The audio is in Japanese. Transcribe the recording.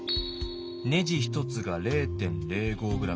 ネジ１つが０．０５ｇ。